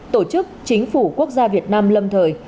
tổ chức chính phủ quốc gia việt nam lâm thời